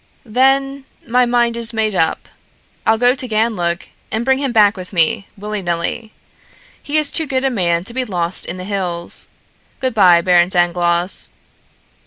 "Then, my mind is made up. I'll go to Ganlook and bring him back with me, willy nilly. He is too good a man to be lost in the hills. Good bye, Baron Dangloss.